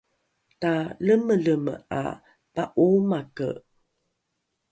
talemeleme ’a pa’oomake